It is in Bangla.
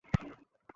চোখ বন্ধ করেন।